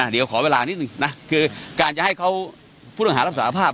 เดี๋ยวขอเวลานิดนึงนะคือการจะให้เขาผู้ต้องหารับสารภาพ